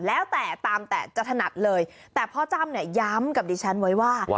แล้วแต่ตามแต่จะถนัดเลยแต่พ่อจ้ำเนี่ยย้ำกับดิฉันไว้ว่า